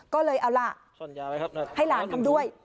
ก็เลยเอาล่ะให้หลานทำด้วย